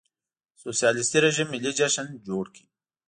سوسیالېستي رژیم ملي جشن جوړ کړ.